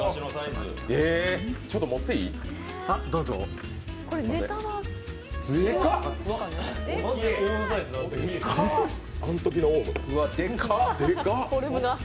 ちょっと持っていい？でかっ！